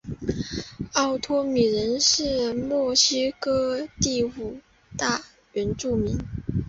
奥托米人是墨西哥第五大原住民。